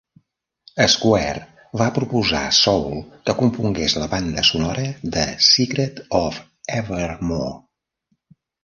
Square va proposar Soul que compongués la banda sonora de "Secret of Evermore".